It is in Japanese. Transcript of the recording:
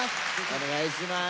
お願いします